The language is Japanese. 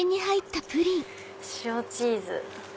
塩チーズ。